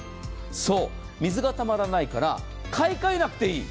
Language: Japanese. そう、水がたまらないから買い替えなくていい。